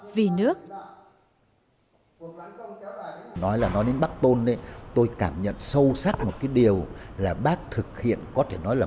vì nước nói là nói đến bác tôn tôi cảm nhận sâu sắc một cái điều là bác thực hiện có thể nói là